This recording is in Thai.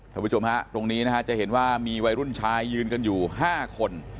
คุณผู้ชมฮะตรงนี้นะฮะจะเห็นว่ามีวัยรุ่นชายยืนกันอยู่๕คน